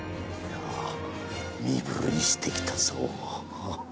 身震いしてきたぞ。